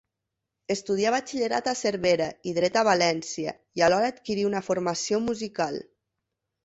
Estudià batxillerat a Cervera i dret a València, i alhora adquirí una formació musical.